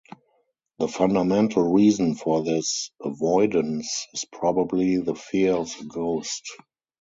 The fundamental reason for this avoidance is probably the fear of the ghost.